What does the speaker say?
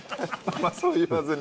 まぁそう言わずに。